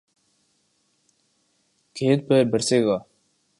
کھیت پر برسے گا